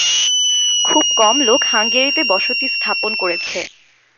খুব কম লোক হাঙ্গেরিতে বসতি স্থাপন করেছে।